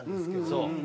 そう。